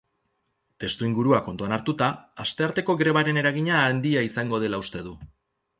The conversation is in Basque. Testuingurua kontuan hartuta, astearteko grebaren eragina handia izango dela uste du.